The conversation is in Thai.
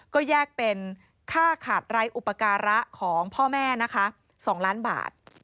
ก็แยกเป็นค่าขาดไร้อุปการะของพ่อแม่นะคะ๒ล้านบาท